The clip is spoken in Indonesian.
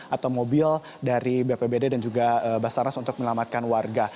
atau mobil dari bppd dan juga bassarnas untuk melamatkan warga